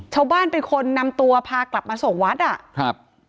ชาวบ้านเป็นคนนำตัวพากลับมาส่งวัดอ่ะครับ